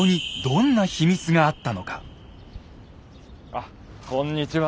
あっこんにちは。